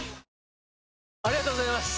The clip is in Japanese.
ありがとうございます！